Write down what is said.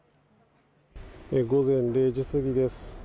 午前０時過ぎです。